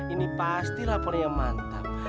ini pastilah polnya mantap